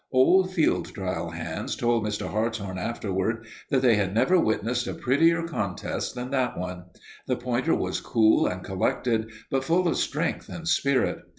Old field trial fans told Mr. Hartshorn afterward that they had never witnessed a prettier contest than that one. The pointer was cool and collected, but full of strength and spirit.